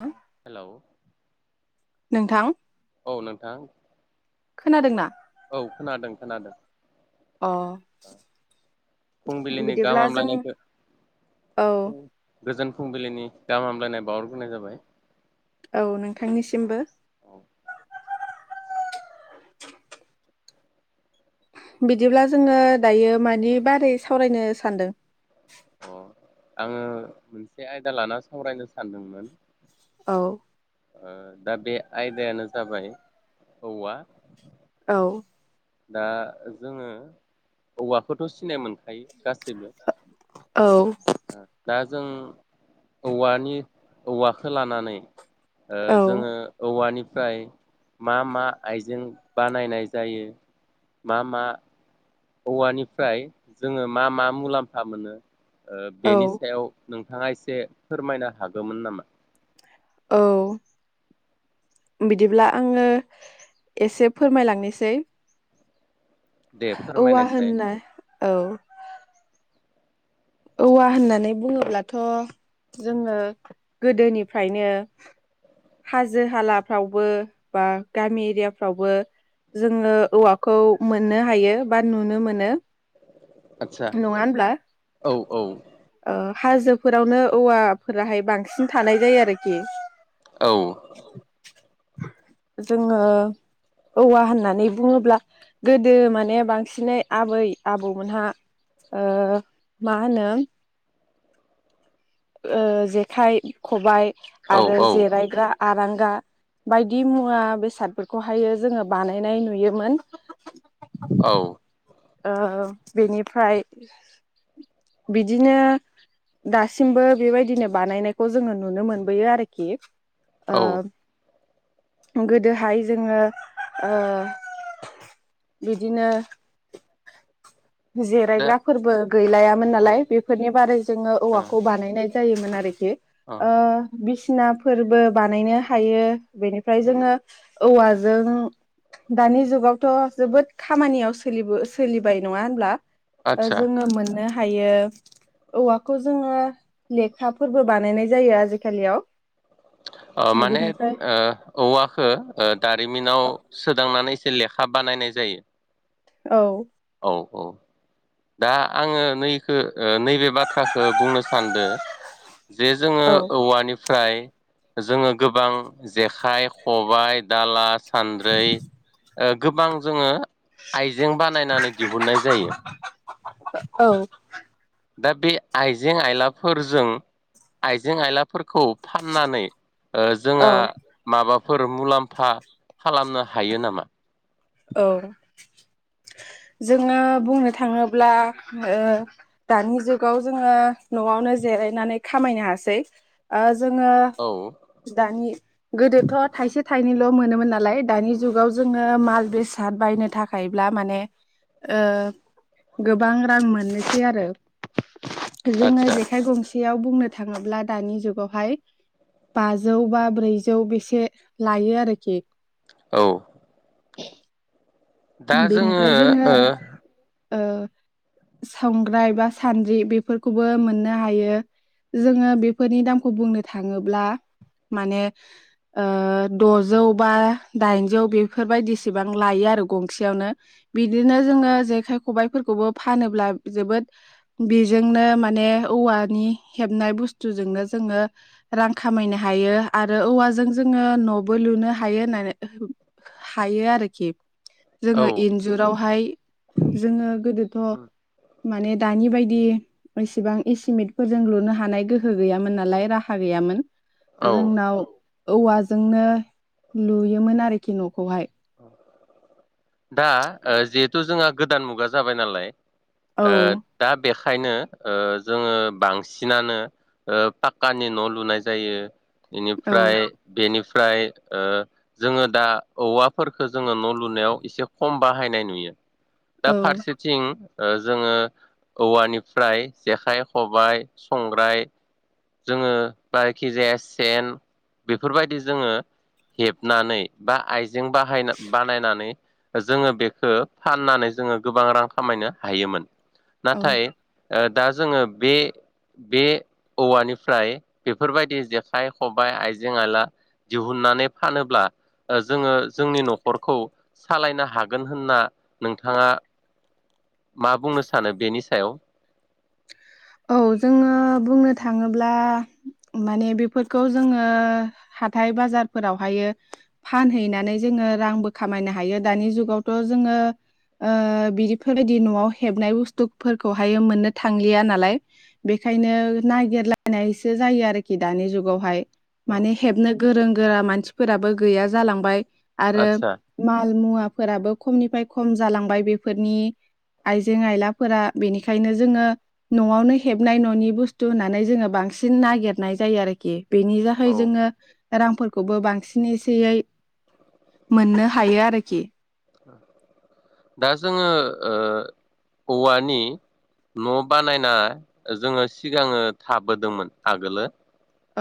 हा हेलौ नोंथां औ नोंथां खोनादोंना औ खोनादों खोनादों। अ फुंबिलिनि गाहाम बिदिब्ला जों हामलायनायखो औ गोजोन फुंबिलिनि गाहाम हामलायनाय बावरग्रोनाय जाबाय। औ नोंथांनिसिमबो औ बिदिब्ला जोङो दायो मानि बारै सावरायनो सानदों? अ आङो मोनसे आयदा लाना सावरायनो सानदोंमोन। औ ओ दा बे आयदायानो जाबाय औवा औ दा जोङो औवाखौथ' सिनाय मोनखायो। गासैबो औ दा जों औवानि औवाखो लानानै औ जोङो औवानि फ्राय मा मा आइजें बानायनाय जायो मा मा औवानिफ्राय जोङो मा मा मुलाम्फा मोनो। ओ औ बेनि सायाव नोंथाङा एसे फोरमायनो हागौमोन नामा। औ बिदिब्ला आङो एसे फोरमायलांनोसै दे औवा फोरमायनायसाय होननाय औ औवा होननानै बुङोब्लाथ' जोङो गोदोनिफ्रायनो हाजो हालाफ्रावबो बा गामि एरियाफ्रावबो जोङो औवाखौ मोननो हायो बा नुनो मोनो। आदसा नङा होनब्ला औ औ हाजोफोरावनो औवाफोराहाय बांसिन थानाय जायो आरोखि औ जोङो औवा होननानै बुङोब्ला गोदो माने बांसिनै आबै आबौमोनहा ओ मा होनो ओ जेखाइ खबाय औ आरो औ जिरायग्रा आरांगा बायदि मुवा बेसादफोरखौहाय जोङो बानायनाय नुयोमोन। औ ओ बेनिफ्राय बिदिनो दासिमबो बेबायदिनो बानायनायखौ जोङो नुनो मोनबोयो आरोखि। औ ओ गोदोहाय जोङो बिदिनो दा जेरायग्राफोरबो गैलायामोन औ नालाय बेफोरनि बारै जोङो ओ औवाखौ बानायनाय जायोमोन आरोखि ओ बि सिनाफोरबो बानायनो हायो बेनिफ्राय जोङो औवाजों दानि जुगावथ' जोबोद खामानियाव सोलिबो सोलिबाय नङा होनब्ला आदसा जोङो मोननो हायो औवाखौ जोङो लेखाफोरबो बानायनाय जायो आजिखालियाव। माने बिनिफ्राय औवाखो दारिमिनाव सोदांनानै लेखा बानायनाय जायो। औ औ दा आङो नैखो ओ नैबे बाथ्राखौ बुंनो सानदों जे जोङो औ औवानिफ्राय जोङो गोबां जेखाइ, खबाय, दाला सानद्रै ओ गोबां जोङो आइजें बानायनानै दिहुननाय जायो। औ दा बे आइजें आइलाफोरजों आइजें आइलाफोर खौ फाननानै ओ औ जोंहा माबा फोर मुलाम्फा खालामनो हायो नामा? औ जोङो बुंनो थाङोब्ला ओ दानि जुगाव जोङो नवावनो जिरायनानै खामायनो हासै ओ जोङो औ दानि गोदोथ' थाइसे थाइनैल' मोनोमोन नालाय दानि जुगाव जोङो माल बेसाद बायनो थाखायब्ला माने ओ गोबां रां मोननोसै आरो जोङो आदसा जेखाय गंसे सेयाव बुंनो थाङोब्ला दानि जुगावहाय बाजौ बा ब्रैजौ बेसे लायो आरोखि। औ दा जोङो ओ ओ संग्राय बा सान्द्रि बेफोरखौबो मोननो हायो जोङो बेफोरनि दामखौ बुंनो थाङोब्ला माने ओ द'जौ बा दाइनजौ बेफोरबायदिसिबां लायो आरो गं सेयावनो बिदिनो जोङो जेखाइ खबाइफोरखौबो फानोब्ला जोबोद बेजोंनो माने औवानि हेबनाय बुसतुजोंनो जोङो रां खामायनो हायो आरो औवाजों जोङो न'बो लुनो हायो होननानै हायो आरोखि जोङो इनजुरावहाय जोङो गोदोथ' माने दानि बायदि एसेबां एसिमेटफोरजों लुनो हानाय गोहो गैयामोन नालाय राहा गैयामोन। औ जोंनाव औवाजोंनो लुयोमोन आरोखि न'खौहाय दा ओ जिहेथु जोंहा गोदान मुगा जाबाय नालाय औ ओ दा बे खायनो ओ जोङो बांसिनानो ओ पाक्कानि न' लुनाय जायो। औ बेनिफ्राय बेनिफ फ्राय ओ जोङो दा औवा फोरखो जोङो न' लुनायाव एसे खम बाहायनाय नुयो। दा औ फारसेथिं ओ जोङो औवानिफ्राय जेखाइ खबाय संग्राय जोङो जायखि जाया सेन बेफोरबायदि जोङो हेबनानै बा आइज जें बाहायना बानायनानै जोङो बेखो फाननानै जोङो गोबां रां खामायनो हायोमोन। औ नाथाय ओ दा जोङो बे बे औवानिफ्राय बेफोरबायदि जेखाइ, खबाइ, आइजें आइला दिहुननानै फानोब्ला ओ जोङो जोंनि न'खरखौ सालायनो हागोन होनना नोंथाङा मा बुंनो सानो बेनि सायाव? औ जोङो बुंनो थाङोब्ला माने बेफोरखौ जोङो हाथाय बाजारफोरावहायो फानहैनानै जोङो रांबो खामायनो हायो दानि जुगावथ' जोङो ओ बिदिफोरबायदि न'आव हेबनाय बुस्थुफोरखौहाय मोननो थांलिया नालाय। बेखायनो नागिरलायनायसो जायो आरोखि दानि जुगावहाय। माने हेबनो गोरों गोरा मानसिफोराबो गैया जालांबाय आरो आदसा माल मुवा फोराबो खमनिफ्राय खम जालांबाय बेफोरनि आइजें आइलाफोरा बेनिखायनो जोङो न' आवनो हेबनाय न'नि बुस्थु होननानै जोङो बांसिन नागिरनाय जायो आरोखि। बेनि जाहै औ जोङो रांफोरखौबो बांसिन एसेयै मोननो हायो आरोखि। दा जोङो ओ औवानि न' बानायना जोङो सिगाङो थाबोदोंमोन आगोलो।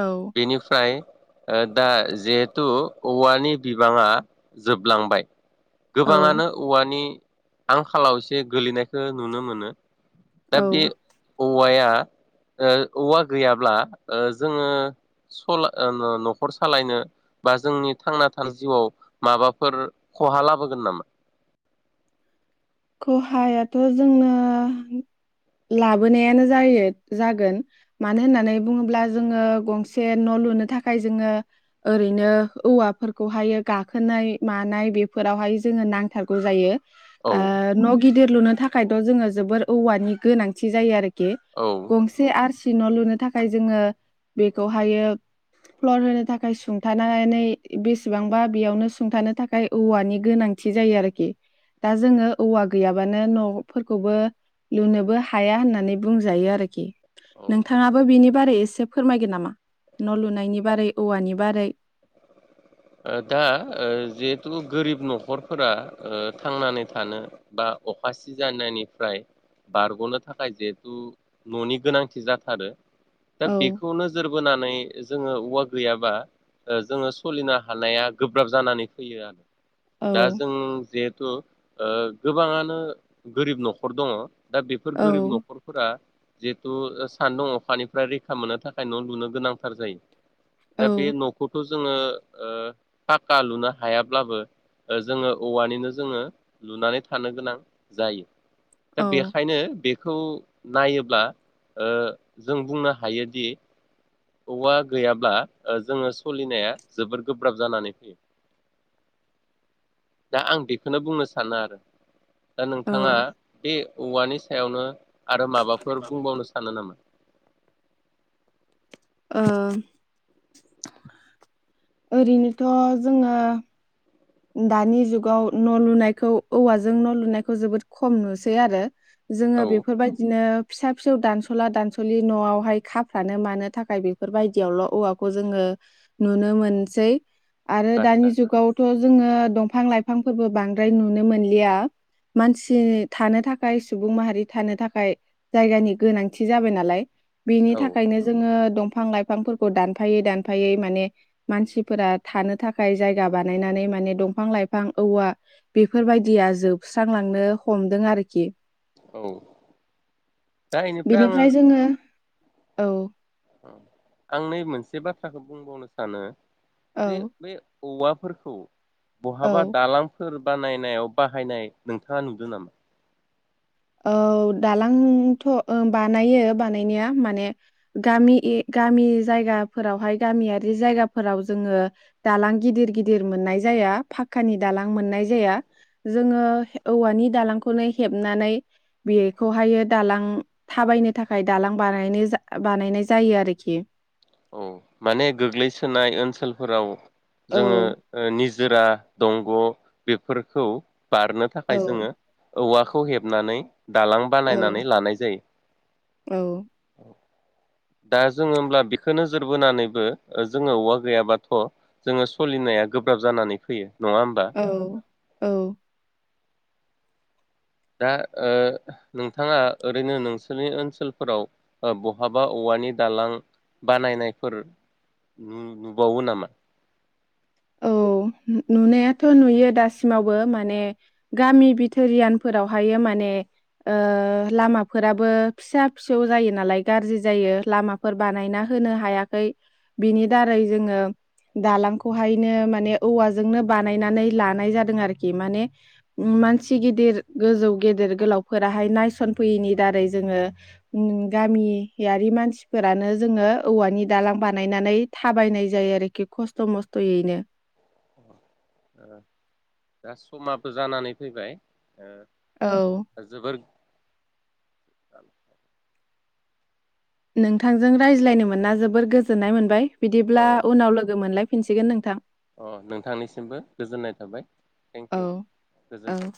औ बेनिफ्राय ओ दा जेहेथु औवानि बिबाङा जोबलांबाय। औ गोबाङानो औवानि आंखालाव एसे गोलैनायखौ नुनो मोनो। दा औ बे औ औवाया ओ औवा गैयाब्ला ओ जोङो सला ओ न-न-न'खर सालायनो बा जोंनि थांना थानाय जिउआव माबाफोर खहा लाबोगोन नामा? खहायाथ' जोंनो लाबोनायानो जायो जागोन मानो होननानै बुङोब्ला जोङो गंसे न' लुनो थाखाय जोङो ओरैनो औवाफोरखौहाय गाखोनाय मानाय बेफोरावहाय जोङो नांथारगौ जायो। औ ओ न' गिदिर लुनो थाखायथ' जोङो जोबोर औवानि गोनांथि जायो आरो खि औ गंसे आर सि न लुनो थाखाय जोंङो बेखौहायो फ्लर होनो थाखाय सुंथानानै बेसेबांबा बेयावनो सुंथानो थाखाय औवानि गोनांथि जायो आरोखि दा जोंङो औवा गैयाबानो नफोरखौबो लुनोबो हाया होननानै बुंजायो आरोखि औ ओ नोंथाङाबो बिनि बारै एसे फोरमायगोन नामा न लुनायनि बारै औवानि बारै ओ दा ओ जिहेथु गोरिब नखरफोरा ओ थांनानै थानो बा अखा सिजानायनिफ्राय बारगनो थाखाय जिहेथु ननि गोनांथि जाथारो दा औ बेखौ नोजोर बोनानै जोंङो औवा गैयाबा ओ जोंङो सोलिनो हानाया गोब्राब जानानै फैयो आरो औ दा जों जिहेथु ओ गोबाङानो गोरिब नखर दङ दा बेफोर औ गोरिब नखरफोरा जे थ सान दं अखानिफ्राय रैखा मोननो थाखाय न लुनो गोनांथार जायो। दा बे औ न खौ जोंङो पाका लुनो हायाब्लाबो जोंङो औवानिनो जोंङो लुनानै थानो गोनां जायो। दा औ बेखायनो बेखौ नायोब्ला जों बुंनो हायोदि औवा गैयाब्ला जोंङो सोलिनाया जोबोद गोब्राब जानानै फैयो दा आं बेखौनो बुंनो सानो आरो। दा औ ओ नोंथाङा बे औवानि सायावनो आरो माबाफोर बुंबावनो सानो नामा? ओरैनोथ जोंङो दानि जुगाव न लुनायखौ औवाजों नलुनायखौ जोबोद खम नुसै आरो। जोंङो औ बेफोरबायदिनो फिसा फिसौ दानसला दानसलि नआवहाय खाफ्रानो मानो थाखाय बेफोरबायदियावल औवाखौ जोंङो नुनो मोनसै आरो दानि आदसा जुगावथ दंफां लाइफांफोरबो बांद्राय नुनो मोनलिया मानसि थानो थाखाय सुबुं माहारि थानो थाखाय जायगानि गोनांथि जाबाय नालाय। बिनि औ थाखायनो जोंङो दंफां फां लाइफांफोरखौ दानफायै दानफायै माने मानसिफोरा थानो थाखाय जायगा बानायनानै माने दंफां लाइफां औवा बेफोरबायदिया जोबस्रांलांनो हमदों आरोखि। औ दा इनिफ्राय बेनिफ्राय जोंङो औ। आं नै मोनसे बाथ्राखौ बुंबावनो सानो औ जे बै औवाफोरखौ बहाबा औ दालां फोर बानायनायाव बाहायनाय नोंथाङा नुदों नामा? औ दालांथ' बानायो बानायनाया माने गामि गामि जायगाफोरावहाय गामियारि जायगाफोराव जोङो दालां गिदिर गिदिर मोननाय जाया फाखकानि दालां मोननाय जाया जोङो औवानि दालांखौनो हेबनानै बेखौहायो दालां थाबायनो थाखाय दालां बानायनो बानायनाय जायो आरोखि औ माने गोग्लैसोनाय ओनसोलफोराव औ जोङो निज जोरा दंग' बेफोरखौ बारनो औ थाखाय जोङो औवाखौ हेबनानै दालां औ बानायनानै लानाय औ जायो। दा जोङो होमब्ला बेखौ नोजोर बोनानैबो जोङो औवा गैयाबाथ' जोङो सोलिनाया गोब्राब जानानै फैयो नङा होमबा औ औ दा नोंथाङा ओरैनो नोंसोरनि ओनसोलफोराव बहाबा औवानि दालां बानायनायफोर नुबावो नामा? औ नु-नुनायाथ' नुयो दासिमावबो माने गामि बिथोरियानफोरावहाय माने ओ लामाफोराबो फिसा फिसौ जायो नालाय गाज्रि जायो लामाफोर बानायना होनो हायाखै बिनि दारै जोङो दालांखौ बेहायनो माने औवाजोंनो बानायनानै लानाय जादों आरोखि माने मानसि गिदिर गोजौ गेदेर गोलावफोराहाय नायसनफैयैनि दारै जोङो ओम गामियारि मानसिफोरानो जोङो औवानि दालां बानायनानै थाबायनाय जायो आरोखि खस्थ' मस्थ थयैनो। दा समाबो जानानै फैबाय औ ओ [inaudible] जोबोर [inaudible] नोंथांजों रायज्लायनो मोना जोबोर गोजोननाय मोनबाय। अ बिदिब्ला उनाव लोगो मोनलाय फिनसिगोन नोंथां। अ नोंथांनिसिमबो गोजोननाय थाबाय औ थेंक इउ औ गोजोन्थों।